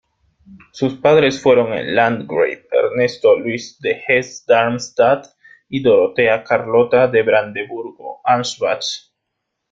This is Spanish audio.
Sus padres fueron el landgrave Ernesto Luis de Hesse-Darmstadt y Dorotea Carlota de Brandeburgo-Ansbach.